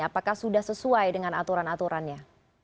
apakah sudah sesuai dengan aturan aturannya